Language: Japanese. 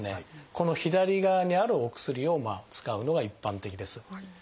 この左側にあるお薬を使うのが一般的です。